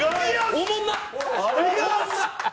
おもんなっ。